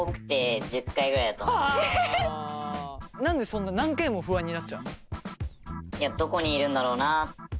何でそんな何回も不安になっちゃうの？